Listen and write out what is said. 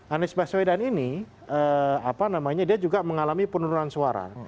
anies baswedan ini dia juga mengalami penurunan suara